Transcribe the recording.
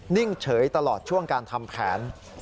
นิ่งเฉยตลอดช่วงการทำแผน